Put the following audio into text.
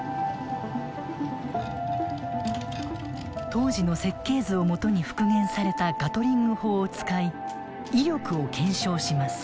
当時の設計図を基に復元されたガトリング砲を使い威力を検証します。